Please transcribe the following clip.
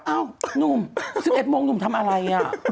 หนุ่ม๑๑โมงหนุ่มทำอะไร